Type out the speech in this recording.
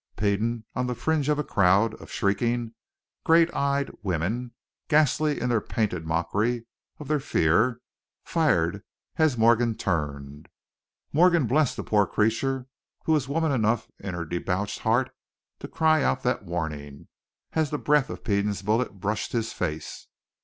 Peden, on the fringe of a crowd of shrinking, great eyed women, ghastly in the painted mockery of their fear, fired as Morgan turned. Morgan blessed the poor creature who was woman enough in her debauched heart to cry out that warning, as the breath of Peden's bullet brushed his face.